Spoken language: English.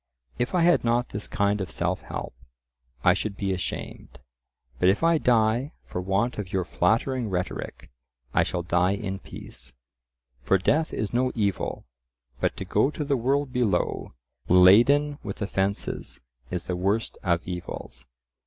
If I had not this kind of self help, I should be ashamed; but if I die for want of your flattering rhetoric, I shall die in peace. For death is no evil, but to go to the world below laden with offences is the worst of evils.